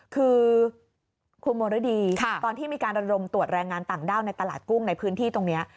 คือคุณมรดีตอนที่มีการระดมตรวจแรงงานต่างด้าวในตลาดกุ้งในพื้นที่ตรงนี้